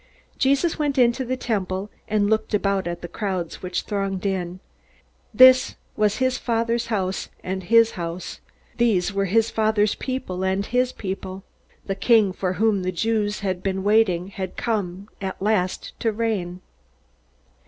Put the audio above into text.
Jesus went into the Temple and looked about at the crowds which thronged it. This was his Father's house and his house. These were his Father's people and his people. The king for whom the Jews had been waiting had come at last to reign.